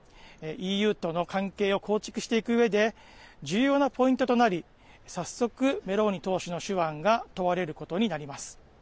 ＥＵとの関係を構築していくうえで重要なポイントとなり早速メローニ党首の手腕が問われることになります。